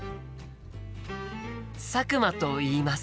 佐久間といいます。